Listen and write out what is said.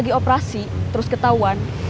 jadi operasi terus ketauan